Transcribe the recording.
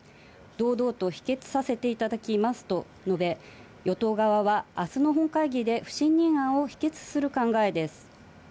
堂々と否決させていただきますと述べ、与党側は明日の本会議で不信任案を否決する考えです。